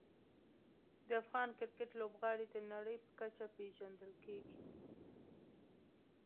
د افغان کرکټ لوبغاړي د نړۍ په کچه پېژندل کېږي.